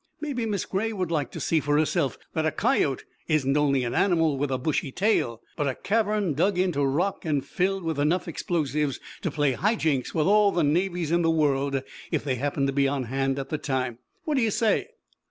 Mebby Miss Gray would like to see for herself that a coyote isn't only an animal with a bushy tail, but a cavern dug into rock an' filled with enough explosives to play high jinks with all the navies in the world if they happened to be on hand at the time. What do you say?"